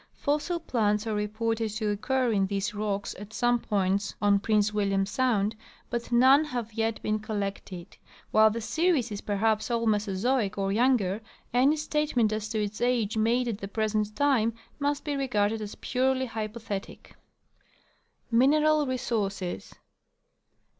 Fossil plants are reported to occur in these rocks at some points on Prince William sound, but none have yet been collected. While the series is perhaps all Mesozoic or younger, any statement as to its age made at the present time must be regarded as purely hypothetic. Mineral Resources.